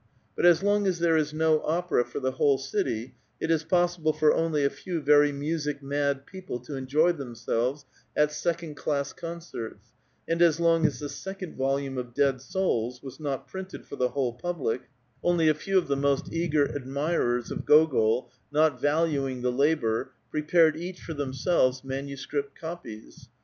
But as long as there is no opera for the whole city, it is possible for only a few very music mad people to enjoy themselves at second class con certs ; and as long as the second volume of " Dead Souls "^ was not printed for the whole public, only a few of the most eager admirers of Gogol, not valuing the labor, i)repared each for themselves manuscript copies.